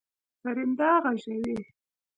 سرېنده غږوي.